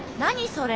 それ。